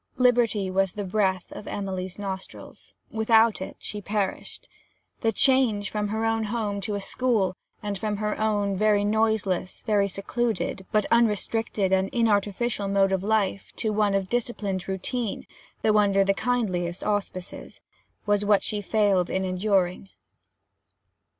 Liberty was the breath of Emily's nostrils; without it, she perished. The change from her own home to a school, and from her own very noiseless, very secluded, but unrestricted and inartificial mode of life, to one of disciplined routine (though under the kindliest auspices), was what she failed in enduring.